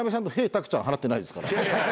たくちゃん払ってないですから。